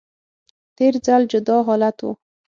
تیر ځل جدا حالت و